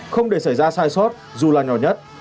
không để xảy ra sai sót dù là nhỏ nhất